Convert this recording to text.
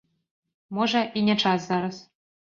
Можа, і не час зараз.